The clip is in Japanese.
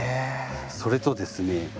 それとですね